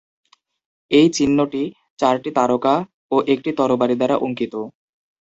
এই চিহ্নটি চারটি তারকা ও একটি তরবারি দ্বারা অঙ্কিত।